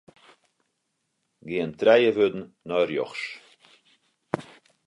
Gean trije wurden nei rjochts.